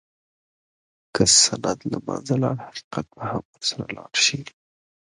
که سند له منځه لاړ، حقیقت به هم ورسره لاړ شي.